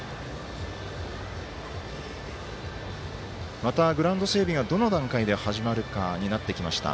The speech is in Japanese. また、グラウンド整備がどの段階で始まるかになってきました。